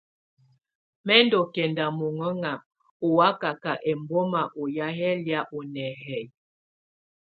Mɛ̀ ndù kɛnda muŋɛŋa ù wakaka ɛmbɔma ɔ́ ya yɛ lɛ̀á ù nɛhɛyɛ.